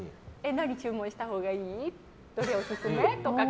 何を注文したほうがいい？とか。